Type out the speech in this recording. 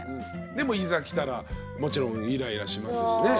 でもいざ来たらもちろんイライラしますしね。